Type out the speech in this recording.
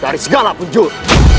dari segala punjur